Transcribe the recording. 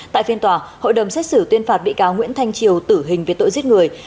tại phiên tòa hội đồng xét xử tuyên phạt bị cáo nguyễn thanh triều tử hình về tội giết người